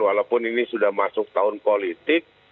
walaupun ini sudah masuk tahun politik